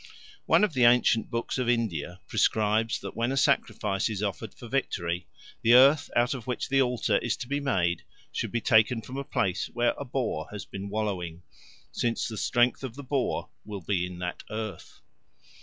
One of the ancient books of India prescribes that when a sacrifice is offered for victory, the earth out of which the altar is to be made should be taken from a place where a boar has been wallowing, since the strength of the boar will be in that earth.